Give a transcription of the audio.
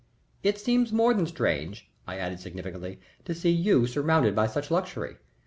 "It seems more than strange," I added, significantly, "to see you surrounded by such luxury.